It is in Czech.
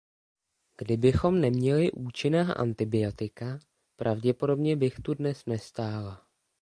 Kdybychom neměli účinná antibiotika, pravděpodobně bych tu dnes nestála.